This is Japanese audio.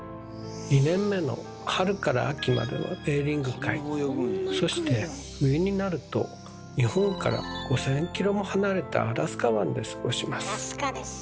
２年目の春から秋まではベーリング海そして冬になると日本から５，０００ｋｍも離れたアラスカ湾で過ごします。